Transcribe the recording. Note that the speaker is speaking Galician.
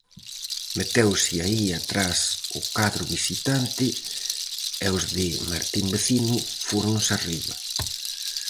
Meteuse aí atrás o cadro visitante, e os de Martín Vecino fóronse arriba.